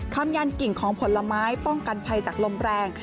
คำยันกิ่งของผลไม้ป้องกันภัยจากลมแรง